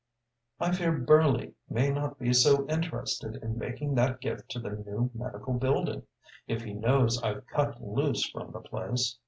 I fear Burley may not be so interested in making that gift to the new medical building, if he knows I've cut loose from the place.